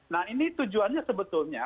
nah ini tujuannya sebetulnya